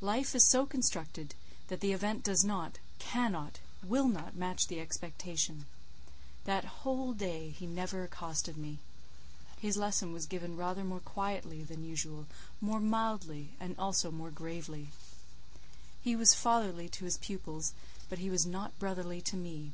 Life is so constructed, that the event does not, cannot, will not, match the expectation. That whole day he never accosted me. His lesson was given rather more quietly than usual, more mildly, and also more gravely. He was fatherly to his pupils, but he was not brotherly to me.